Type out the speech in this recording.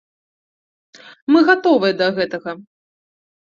Мы гатовыя да гэтага.